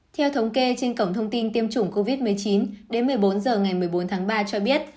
theo thống kê trên cổng thông tin tiêm chủng covid một mươi chín đến một mươi bốn h ngày một mươi bốn tháng ba cho biết